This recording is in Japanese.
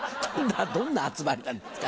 どんな集まりなんですか。